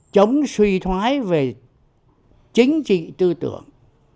chống suy thoái về chính trị tư tưởng